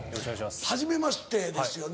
はじめましてですよね。